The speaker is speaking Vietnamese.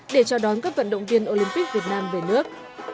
để chào đón các vận động viên olympic việt nam về nước